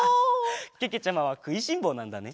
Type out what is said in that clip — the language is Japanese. けけちゃまはくいしんぼうなんだね。